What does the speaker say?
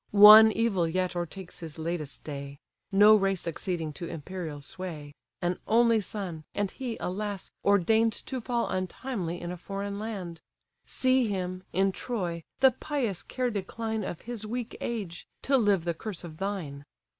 One evil yet o'ertakes his latest day: No race succeeding to imperial sway; An only son; and he, alas! ordain'd To fall untimely in a foreign land. See him, in Troy, the pious care decline Of his weak age, to live the curse of thine!